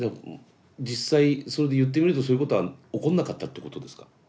実際それで言ってみるとそういうことは起こんなかったってことですか？